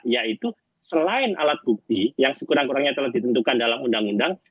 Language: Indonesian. yaitu selain alat bukti yang sekurang kurangnya telah ditentukan dalam undang undang